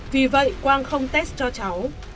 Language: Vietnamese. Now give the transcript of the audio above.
vì vậy quang không test cho cháu